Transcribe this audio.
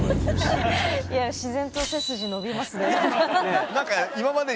いや自然と背筋伸びますね。